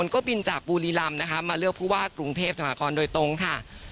ก็บินจากบุรีรำนะคะมาเลือกผู้ว่ากรุงเทพมหาคอนโดยตรงค่ะ